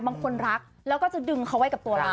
บางคนรักแล้วก็จะดึงเขาไว้กับตัวเรา